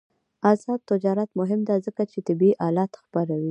آزاد تجارت مهم دی ځکه چې طبي آلات خپروي.